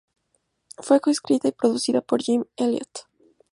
Fue coescrita y coproducida por Jim Elliot.